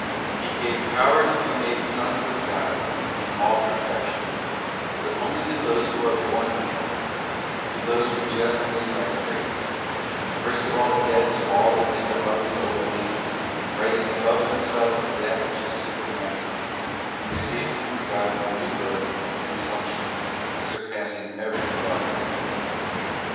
To none of these gave He power to be made sons of God in all per fection, but only to those who are born of God; to those regenerated by grace, first of all dead to all that is of the old man, rising above themselves to that which is super natural, and receiving from God their new birth and son ship, surpassing every thought of man.